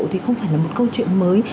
thì không phải là một câu chuyện mới